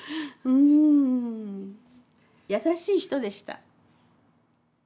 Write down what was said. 優しい人でした。